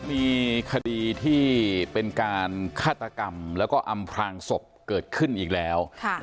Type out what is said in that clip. มีคดีที่เป็นการฆาตกรรมแล้วก็อำพลางศพเกิดขึ้นอีกแล้ว